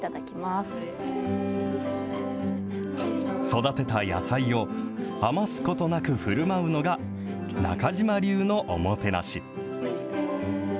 育てた野菜を、余すことなくふるまうのが、中島流のおもてなし。